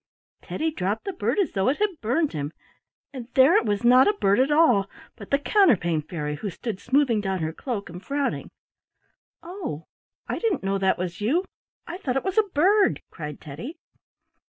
Teddy dropped the bird as though it had burned him, and there it was not a bird at all, but the Counterpane Fairy, who stood smoothing down her cloak and frowning. "Oh! I didn't know that was you; I thought it was a bird," cried Teddy.